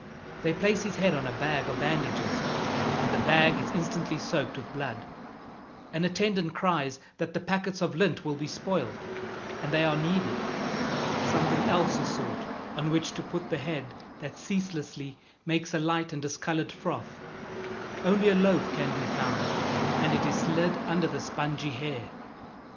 They place his head on a bag of bandages, and the bag is instantly soaked with blood. An attendant cries that the packets of lint will be spoiled, and they are needed. Something else is sought on which to put the head that ceaselessly makes a light and discolored froth. Only a loaf can be found, and it is slid under the spongy hair.